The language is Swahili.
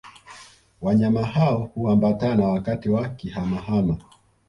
Wanyama hao huambatana wakati wa kihama hama